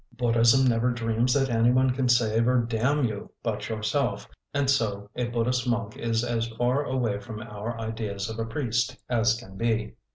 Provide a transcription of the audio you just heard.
Buddhism never dreams that anyone can save or damn you but yourself, and so a Buddhist monk is as far away from our ideas of a priest as can be.